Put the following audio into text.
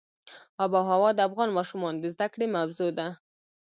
آب وهوا د افغان ماشومانو د زده کړې موضوع ده.